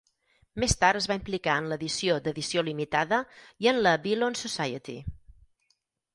Més tard es va implicar en l'edició d'edició limitada, i en la Villon Society.